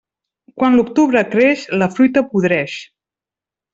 Quan l'octubre creix, la fruita podreix.